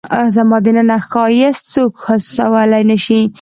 زما دننه ښایست څوک حسولای نه شي